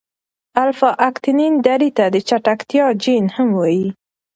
الفا اکتینین درې ته د چټکتیا جین هم وايي.